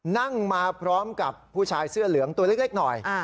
นั่งมาพร้อมกับผู้ชายเสื้อเหลืองตัวเล็กหน่อย